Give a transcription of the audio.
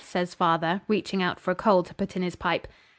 says father, reaching out for a coal to put in his pipe.